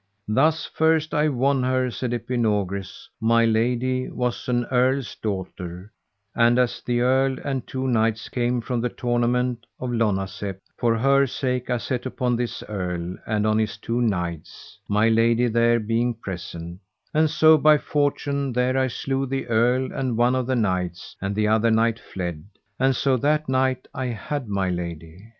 Thus first I won her, said Epinogris; my lady was an earl's daughter, and as the earl and two knights came from the tournament of Lonazep, for her sake I set upon this earl and on his two knights, my lady there being present; and so by fortune there I slew the earl and one of the knights, and the other knight fled, and so that night I had my lady.